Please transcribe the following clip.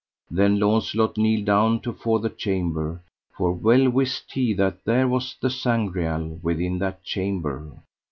Then Launcelot kneeled down to fore the chamber, for well wist he that there was the Sangreal within that chamber.